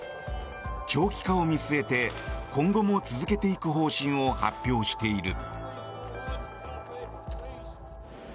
長期化を見据えて今後も続けていく方針を発表している。